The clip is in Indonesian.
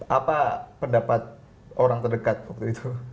apa pendapat orang terdekat waktu itu